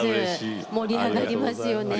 盛り上がりますよね。